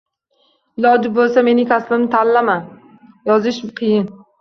Iloji bo’lsa, mening kasbimni tanlama. Yozish qiyin.